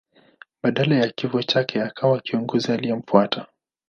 Baada ya kifo chake akawa kiongozi aliyemfuata.